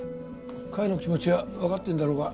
甲斐の気持ちはわかってるんだろうが。